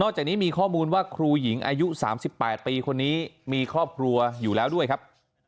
จากนี้มีข้อมูลว่าครูหญิงอายุ๓๘ปีคนนี้มีครอบครัวอยู่แล้วด้วยครับ